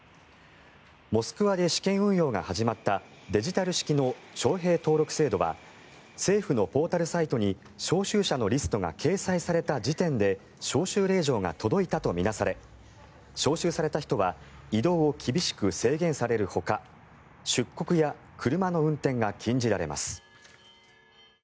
モスクワで試験運用が始まったデジタル式の徴兵登録制度は政府のポータルサイトに招集者のリストが掲載された時点で招集令状が届いたと見なされ招集された人は移動を厳しく制限されるほか出国や車の運転が禁じられます。